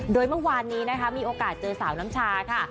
โดยเมื่อวานนี้นะคะมีโอกาสเจอสาวน้ำชาค่ะ